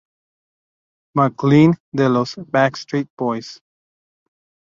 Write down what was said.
McLean de los Backstreet Boys.